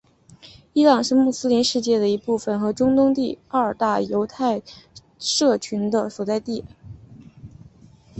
伊朗是穆斯林世界的一部分和中东第二大犹太人社群的所在地。